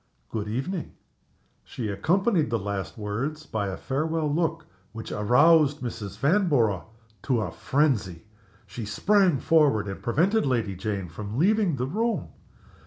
Good evening!" She accompanied the last words by a farewell look which aroused Mrs. Vanborough to frenzy. She sprang forward and prevented Lady Jane from leaving the room.